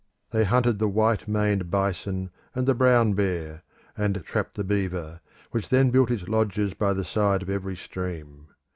They hunted the white maned bison and the brown bear, and trapped the beaver, which then built its lodges by the side of every stream.